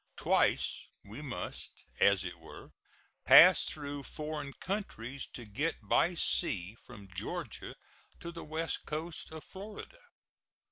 Twice we must, as it were, pass through foreign countries to get by sea from Georgia to the west coast of Florida.